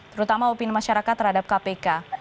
terutama opini masyarakat terhadap kpk